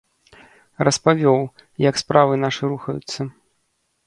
Распавёў, як справы нашы рухаюцца.